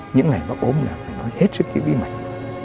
những ngày bác ốm là phải nói hết sức kỹ vĩ mạnh